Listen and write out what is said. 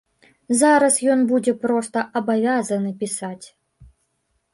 Зараз ён будзе проста абавязаны пісаць.